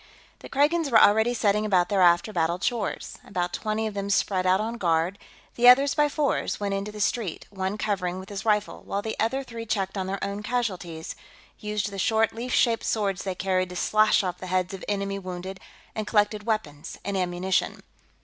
The Kragans were already setting about their after battle chores. About twenty of them spread out on guard; the others, by fours, went into the street, one covering with his rifle while the other three checked on their own casualties, used the short, leaf shaped swords they carried to slash off the heads of enemy wounded, and collected weapons and ammunition.